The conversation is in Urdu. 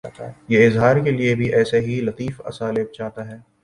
یہ اظہار کے لیے بھی ایسے ہی لطیف اسالیب چاہتا ہے۔